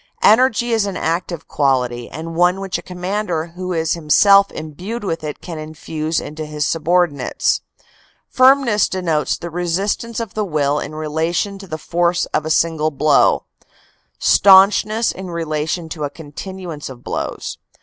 Energy is an active quality and one which a commander who is him 294 CANADA S HUNDRED DAYS self imbued with it can infuse into his subordinates. Firmness denotes the resistance of the will in relation to the force of a single blow, staunchness in relation to a continuance of blows.